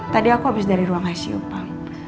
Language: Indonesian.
tadi aku habis dari ruang kaisi opah